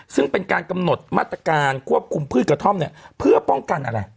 ซึ่งเป็นการกำหนดมาตรการควบคุมพืชกระท่อมเนี่ยเพื่อป้องกันอะไร